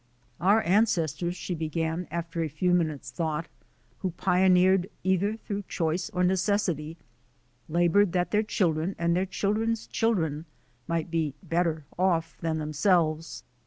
"Our ancestors," she began, after a few minutes' thought, "who pioneered either through choice or necessity, laboured that their children and their children's children might be 'better off' than them selves.